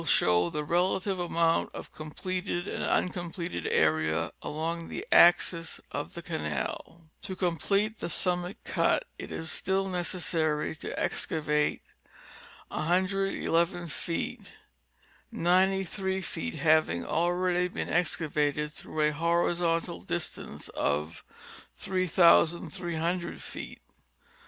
313 show the relative amount of completed and uncompleted area along the axis of the canal. To complete the summit cut it is still necessary to excavate lil feet, 93 feet having already been excavated, through a horizontal distance of 3300 feet.